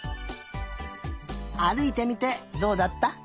あるいてみてどうだった？